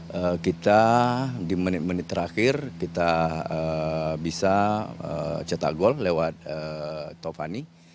karena kita di menit menit terakhir kita bisa cetak gol lewat tovani